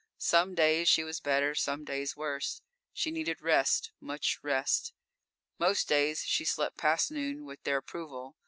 Some days she was better, some days worse. She needed rest much rest. Most days she slept past noon with their approval.